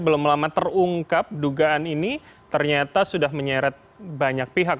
belum lama terungkap dugaan ini ternyata sudah menyeret banyak pihak